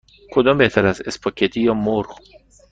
کدام بهتر است: اسپاگتی یا مرغ؟